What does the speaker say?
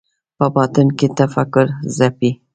په باطن کې تفکر ځپي